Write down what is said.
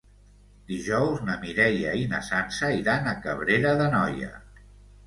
Dijous na Mireia i na Sança iran a Cabrera d'Anoia.